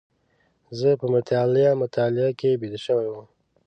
زه په مطالعه مطالعه کې بيده شوی وم.